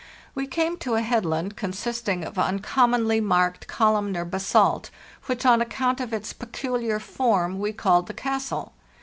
We came to a headland consisting of uncommonly marked columnar basalt, which on account of its peculiar form "* We here saw that the land we called the "Castle.